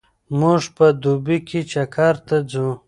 موږ په دوبي کې چکر ته ځو.